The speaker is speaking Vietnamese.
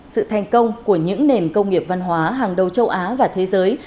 sự thành công của những nền công nghiệp văn hóa hàng đầu châu á và thế giới